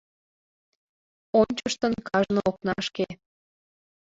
Ончыштын кажне окнашке.